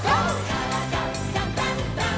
「からだダンダンダン」